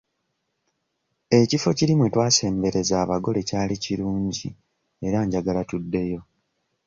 Ekifo kiri mwe twasembereza abagole kyali kirungi era njagala tuddeyo.